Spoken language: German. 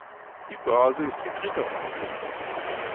Die Börse ist die dritte Option.